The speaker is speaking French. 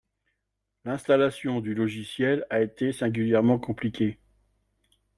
L'installation du logiciel a été singulièrement compliquée